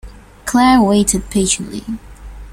Claire waited patiently.